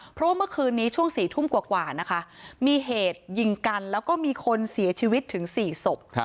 เพราะว่าเมื่อคืนนี้ช่วง๔ทุ่มกว่านะคะมีเหตุยิงกันแล้วก็มีคนเสียชีวิตถึง๔ศพ